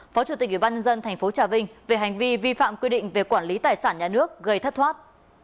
phó chủ tịch ủy ban nhân dân tp trà vinh về hành vi vi phạm quy định về quản lý tài sản nhà nước gây thất thoát